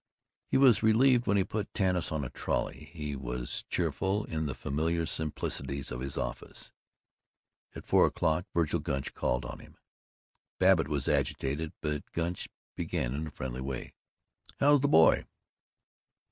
He was relieved when he put Tanis on a trolley; he was cheerful in the familiar simplicities of his office. At four o'clock Vergil Gunch called on him. Babbitt was agitated, but Gunch began in a friendly way: "How's the boy?